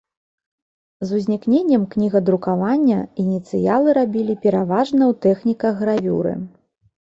З узнікненнем кнігадрукавання ініцыялы рабілі пераважна ў тэхніках гравюры.